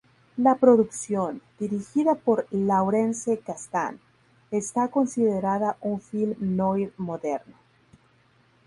La producción, dirigida por Lawrence Kasdan, está considerada un film noir moderno.